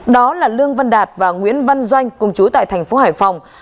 đó là lương văn đạt và nguyễn văn doanh cùng chú tại thành phố hải phòng